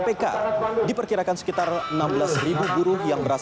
kedung kpk diperkirakan sekitar enam belas buruh